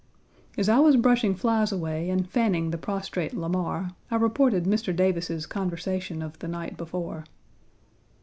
As I was brushing flies away and fanning the prostrate Lamar, I reported Mr. Davis's conversation of the night Page 74 before.